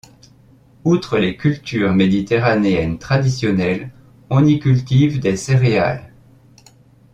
Outre les cultures méditerranéennes traditionnelles on y cultive des céréales.